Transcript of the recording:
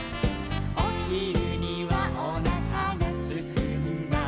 「おひるにはおなかがすくんだ」